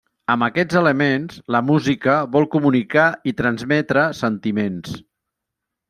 Amb aquests elements la música vol comunicar i transmetre sentiments.